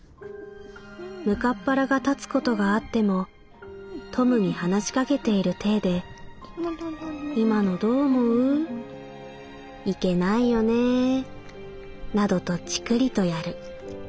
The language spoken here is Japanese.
むかっ腹が立つことがあってもトムに話しかけている態で『今のどう思う？』『いけないよねぇ』などとチクリとやる。